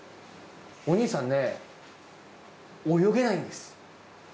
お兄さんね、泳げないんです。